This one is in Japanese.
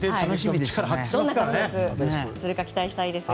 どんな活躍をするか期待したいですね。